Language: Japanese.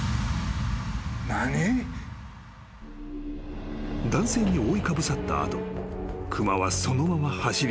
・［男性に覆いかぶさった後熊はそのまま走り去った］